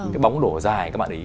cái bóng đổ dài các bạn để ý